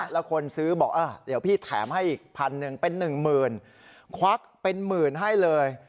แล้วคนซื้อบอกเดี๋ยวพี่แถมให้อีกพันหนึ่งเป็น๑๐๐๐ควักเป็นหมื่นให้เลย